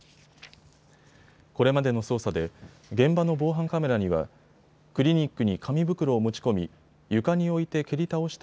これまでの捜査で現場の防犯カメラにはクリニックに紙袋を持ち込み床に置いて蹴り倒した